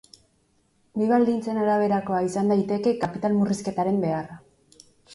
Bi baldintzen araberakoa izan daiteke kapital-murrizketaren beharra.